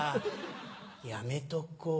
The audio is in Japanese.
やめとこう。